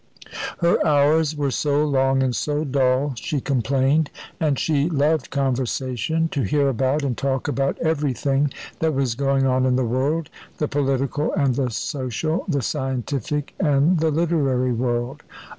Her hours were so long and so dull, she complained, and she loved conversation; to hear about, and talk about, everything that was going on in the world; the political and the social, the scientific and the literary world.